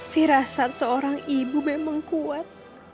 firasat seorang ibu memang kuat